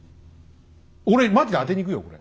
俺マジで当てにいくよこれ。